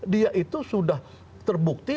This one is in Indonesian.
dia itu sudah terbukti